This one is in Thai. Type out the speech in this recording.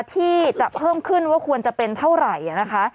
ที่จะเพิ่มขึ้นว่าควรจะเป็นเท่าไหร่นะคะ